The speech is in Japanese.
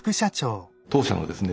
当社のですね